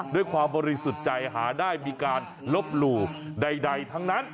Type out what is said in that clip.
ด้วยความบริสุทธิ์ใจหาได้มีการลบหลู่ใดทั้งนั้น